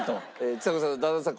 ちさ子さんの旦那さん